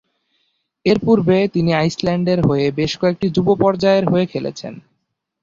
এরপূর্বে, তিনি আইসল্যান্ডের হয়ে বেশ কয়েকটি যুব পর্যায়ের হয়ে খেলছেন।